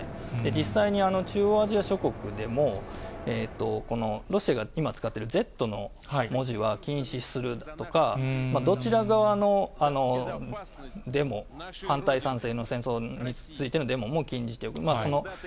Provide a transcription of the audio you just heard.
実際に中央アジア諸国でも、ロシアが今使っているＺの文字は禁止するとか、どちら側でも、反対賛成の戦争についてのデモも禁じている。